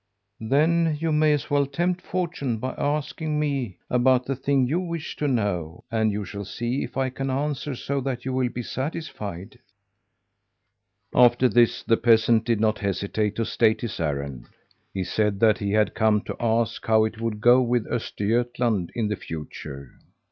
'Then you may as well tempt fortune by asking me about the thing you wish to know; and you shall see if I can answer so that you will be satisfied.' "After this the peasant did not hesitate to state his errand. He said that he had come to ask how it would go with Östergötland in the future.